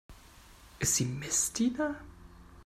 Ist sie Messdiener?